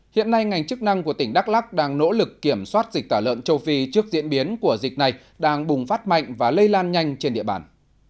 hiện nay ngành chức năng của tỉnh đắk lắc đang nỗ lực kiểm soát dịch tả lợn châu phi trước diễn biến của dịch này đang bùng phát mạnh và lây lan nhanh trên địa bàn